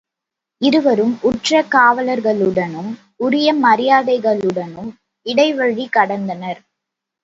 இருவரும் உற்ற காவலர்களுடனும் உரிய மரியாதைகளுடனும் இடைவழி கடந்தனர்.